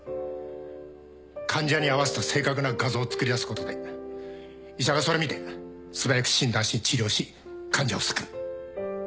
患者に合わせた正確な画像を作り出すことで医者がそれ見て素早く診断し治療し患者を救う。